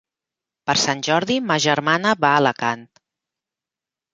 Per Sant Jordi ma germana va a Alacant.